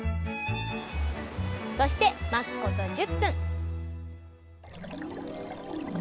そして待つこと１０分